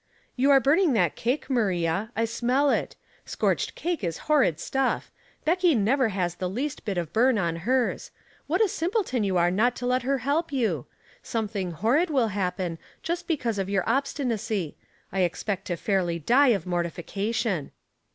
''You are burning that cake, Maria; I smell it. Scorched cake is horrid stuff. Becky never has the least bit of burn on hers. What a sim pleton you are not to Jet her help you! Some thing horrid will happen, just because of your obst/.nacy. I expect to fairly die of mortifica tion."